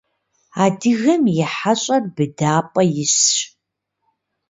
Адыгэм и хьэщӏэр быдапӏэ исщ.